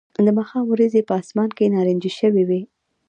د ماښام وریځې په آسمان کې نارنجي شوې وې